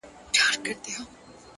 لوړ انسان له نورو نه زده کوي.!